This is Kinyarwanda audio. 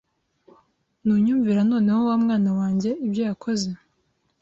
Ntunyumvira noneho wa mwana wanjye ibyo yakoze